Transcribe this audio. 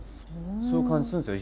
そういう感じするんですよ